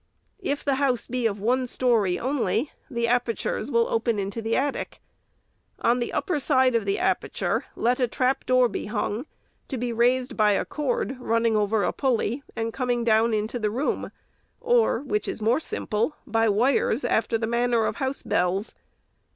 If the house be of one story only, the aper tures will open into the attic. On the upper side of the aperture let a trap door be hung, to be raised by a cord, running over a pulley, and coming down into the room, or (which is more simple) by wires, after the man ner of house bells.